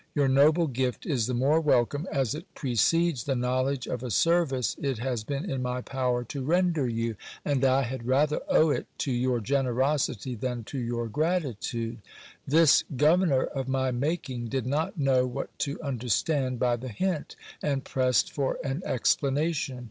Your noble gift is the more welcome, as it precedes the knowledge of a service it has been in my power to render you ; and I had rather owe it to your generosity, than to your gratitude. This governor of my making did not know what to understand by the hint, and pressed for an explanation.